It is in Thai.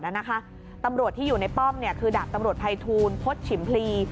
ธนทร์ที่อยู่ในป้อมเนี่ยคือดาบธนตร์พายทวนพจิ่มพลี